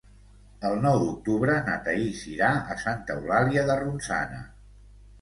El nou d'octubre na Thaís irà a Santa Eulàlia de Ronçana.